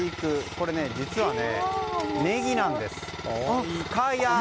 これ、実はねぎなんです。